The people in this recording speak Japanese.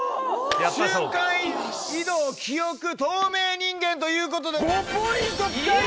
瞬間移動記憶透明人間ということで５ポイントピタリ！